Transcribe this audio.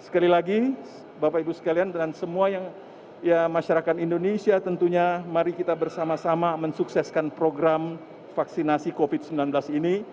sekali lagi bapak ibu sekalian dan semua yang masyarakat indonesia tentunya mari kita bersama sama mensukseskan program vaksinasi covid sembilan belas ini